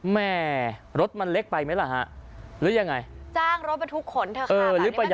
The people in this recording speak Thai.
แหม่รถมันเล็กไปมั้ยละฮะหรือยังไงจ้างรถมาทุกขนธุรการนี้มันมีกฎหมายนะ